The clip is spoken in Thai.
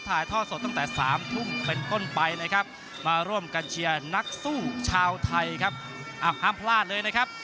ถ่ายท่อสดตั้งแต่๓ทุ่มเป็นต้นไปนะครับมาร่วมกันเชียร์นักสู้ชาวไทยครับห้ามพลาดเลยนะครับ